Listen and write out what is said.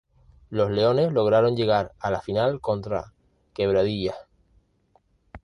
Los Leones lograron llegar a la final contra Quebradillas.